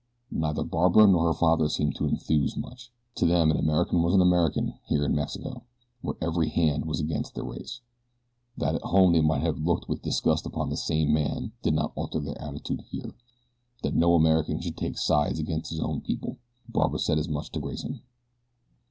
Neither Barbara nor her father seemed to enthuse much. To them an American was an American here in Mexico, where every hand was against their race. That at home they might have looked with disgust upon this same man did not alter their attitude here, that no American should take sides against his own people. Barbara said as much to Grayson.